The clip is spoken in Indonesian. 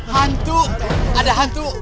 hantu ada hantu